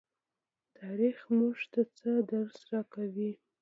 تاریخ موږ ته څه درس راکوي؟